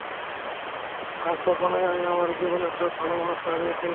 আর তখনই আমি আমার জীবনের সব ভালো মানুষকে হারিয়েছিলাম।